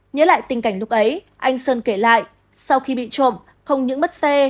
nhớ lại tình cảnh lúc ấy anh sơn kể lại sau khi bị trộm không những mất xe